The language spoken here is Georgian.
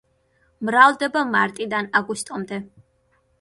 მრავლდება მარტიდან აგვისტომდე.